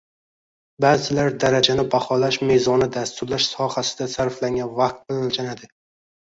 Ba’zilar darajani baholash me’zoni dasturlash sohasida sarflangan vaqt bilan o’lchanadi